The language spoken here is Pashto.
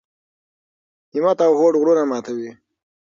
همت او هوډ غرونه ماتوي.